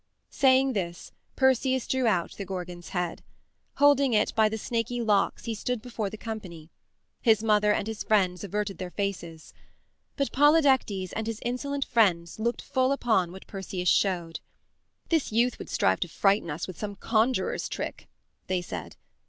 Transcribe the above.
Saying this Perseus drew out the Gorgon's head. Holding it by the snaky locks he stood before the company. His mother and his friends averted their faces. But Polydectes and his insolent friends looked full upon what Perseus showed. "This youth would strive to frighten us with some conjuror's trick," they said.